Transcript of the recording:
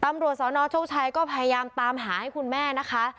ตำรวจสนโชคชัยก็พยายามตามหาให้คุณแม่นะคะ